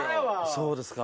そうですか。